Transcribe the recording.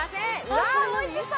わあ、おいしそう！